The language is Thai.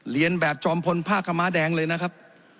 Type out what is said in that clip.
เรียนแบบจอมพลผ้าขม้าแดงเลยนะครับ